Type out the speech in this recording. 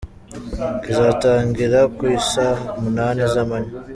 Kizatangira ku i saa munani z’amanywa.